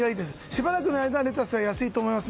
しばらくの間、レタスは安いです。